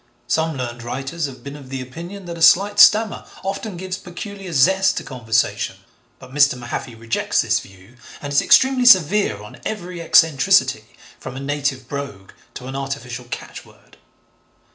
Some learned writers have been of opinion that a slight stammer often gives peculiar zest to conversation, but Mr. Mahaffy rejects this view and is extremely severe on every eccentricity from a native brogue to an artificial catchword.